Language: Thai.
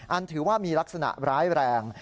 ถือว่ามีลักษณะร้ายแรง